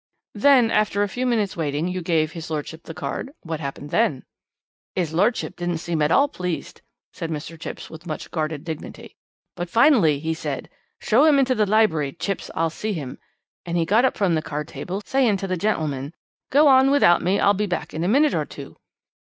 "'Then, after a few minutes' waiting, you gave his lordship the card? What happened then?' "''Is lordship didn't seem at all pleased,' said Mr. Chipps with much guarded dignity; 'but finally he said: "Show him into the library, Chipps, I'll see him," and he got up from the card table, saying to the gentlemen: "Go on without me; I'll be back in a minute or two."